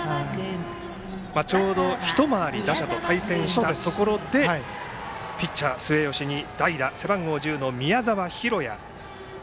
ちょうど１回り対戦したところでピッチャー末吉に代打背番号１０番の宮澤宏耶。